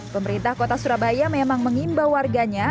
pemerintah kota surabaya memang mengimbau warganya